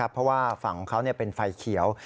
เพราะว่าฝั่งของเขาเป็นไฟเขียว